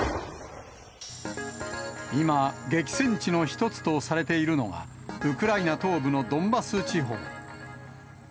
今、激戦地の一つとされているのが、ウクライナ東部のドンバス地方。